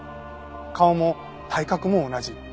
顔も体格も同じ。